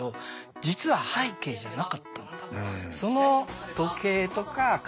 実は背景じゃなかったんだ。